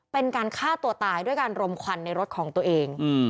เป็นการฆ่าตัวตายด้วยการรมควันในรถของตัวเอง